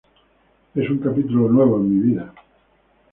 Es un capítulo nuevo en mi vida.